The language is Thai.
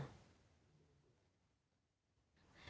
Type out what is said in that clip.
อืม